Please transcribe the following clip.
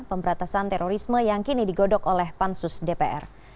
pemberantasan terorisme yang kini digodok oleh pansus dpr